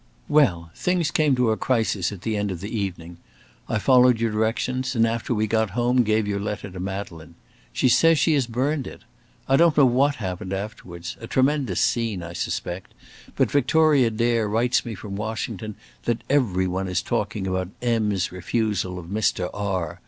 Well! things came to a crisis at the end of the evening. I followed your directions, and after we got home gave your letter to Madeleine. She says she has burned it. I don't know what happened afterwards a tremendous scene, I suspect, but Victoria Dare writes me from Washington that every one is talking about M.'s refusal of Mr. R.